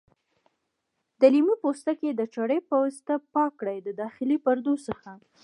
د لیمو پوټکي د چاړې په واسطه پاک کړئ د داخلي پردو څخه.